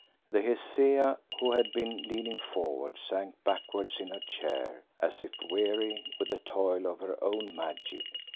The Hesea, who had been leaning forward, sank backwards in her chair, as if weary with the toil of her own magic.